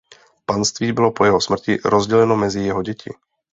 Panství bylo po jeho smrti rozděleno mezi jeho děti.